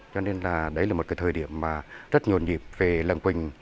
cho nên là đấy là một cái thời điểm mà rất nhộn nhịp về lăng quỳnh